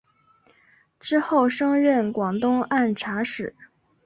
之后升任广东按察使。